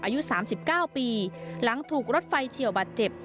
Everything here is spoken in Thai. อายุสามสิบเก้าปีหลังถูกรถไฟเฉี่ยวบัดเจ็บ